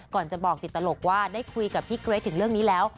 ก่อนจะบอกติดตลกว่าได้คุยกับพี่เกรทถึงเรื่องนี้แล้ว